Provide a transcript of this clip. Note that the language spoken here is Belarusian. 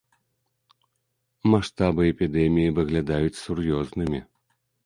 Маштабы эпідэміі выглядаюць сур'ёзнымі.